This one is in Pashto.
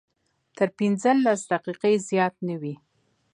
تر پنځلس دقیقې زیات نه وي.